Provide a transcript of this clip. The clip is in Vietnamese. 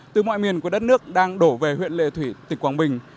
từ mọi miền của đất nước đang đổ về huyện lệ thủy tỉnh quảng bình